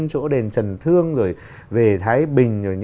chỗ đền trần thương rồi về thái bình